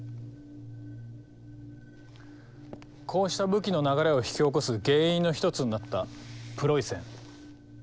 こうした武器の流れを引き起こす原因の一つになったプロイセン。